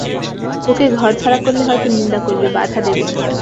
ওঁকে ঘরছাড়া করলে হয়তো নিন্দা করবে, বাধা দেবে না।